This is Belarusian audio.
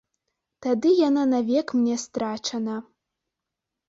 Тады яна навек мне страчана.